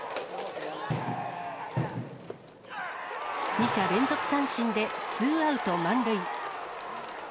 ２者連続三振でツーアウト満塁。